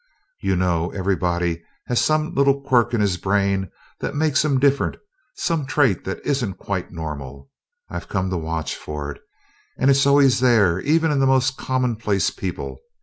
"You know, everybody has some little quirk in his brain that makes him different some trait that isn't quite normal. I've come to watch for it, and it's always there, even in the most commonplace people.